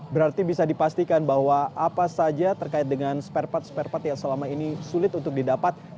berarti bisa dipastikan bahwa apa saja terkait dengan spare part spare part yang selama ini sulit untuk didapat